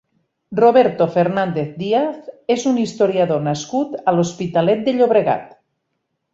Roberto Fernández Díaz és un historiador nascut a l'Hospitalet de Llobregat.